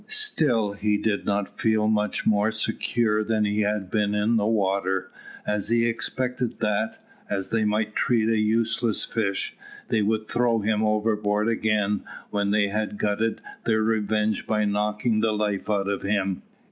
Still he did not feel much more secure than he had been in the water, as he expected that, as they might treat a useless fish, they would throw him overboard again when they had glutted their revenge by knocking the life out of him.